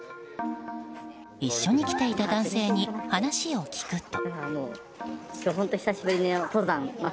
一緒に来ていた男性に話を聞くと。